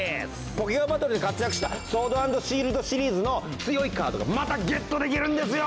ポケカバトルで活躍したソードアンドシールドシリーズの強いカードがまたゲットできるんですよ！